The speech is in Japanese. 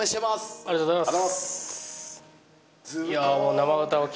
ありがとうございます。